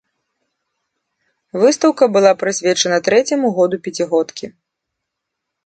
Выстаўка была прысвечана трэцяму году пяцігодкі.